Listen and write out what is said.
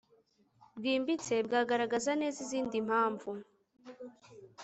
bwimbitse bwagaragaza neza izindi mpamvu